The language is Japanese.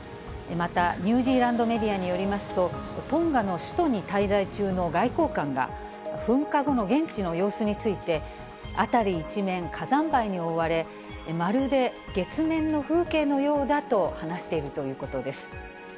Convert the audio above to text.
また、ニュージーランドメディアによりますと、トンガの首都に滞在中の外交官が、噴火後の現地の様子について、辺り一面、火山灰に覆われ、まるで月面の風景のようだと話しているということです。